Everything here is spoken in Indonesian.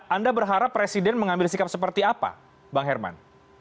anda berharap presiden mengambil sikap seperti apa bang herman